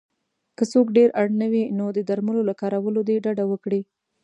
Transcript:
که څوک ډېر اړ نه وی نو د درملو له کارولو دې ډډه وکړی